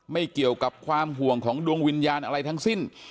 ไม่เกี่ยวกับความห่วงของดวงวิญญาณอะไรทั้งสิ้น